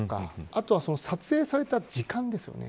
あとは撮影された時間ですよね。